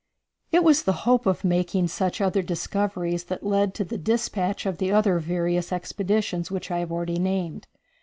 It was the hope of making such other discoveries that led to the dispatch of the other various expeditions which I have already named.